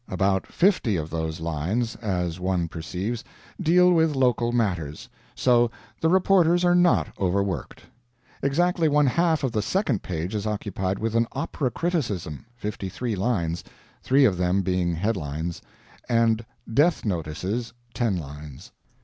About fifty of those lines, as one perceives, deal with local matters; so the reporters are not overworked. Exactly one half of the second page is occupied with an opera criticism, fifty three lines (three of them being headlines), and "Death Notices," ten lines.